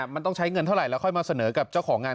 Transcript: มันต้องใช้เงินเท่าไหร่แล้วค่อยมาเสนอกับเจ้าของงาน